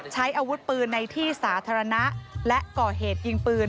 ใช้อาวุธปืนในที่สาธารณะและก่อเหตุยิงปืน